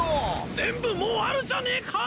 全部もうあるじゃねえか！